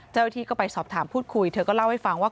เจ้าหน้าที่ก็ไปสอบถามพูดคุยเธอก็เล่าให้ฟังว่า